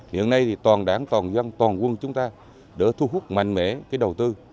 hiện nay toàn đảng toàn dân toàn quân chúng ta đã thu hút mạnh mẽ cái đầu tư